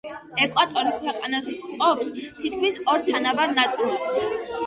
ეკვატორი ქვეყნას ჰყოფს თითქმის ორ თანაბარ ნაწილად.